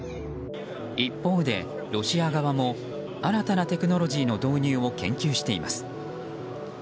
一方でロシア側も新たなテクノロジーの導入を研究しています。